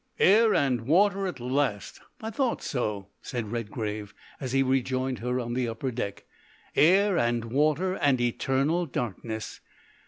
"Air and water at last! I thought so," said Redgrave, as he rejoined her on the upper deck; "air and water and eternal darkness!